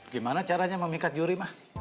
gimana caranya memikat juri mah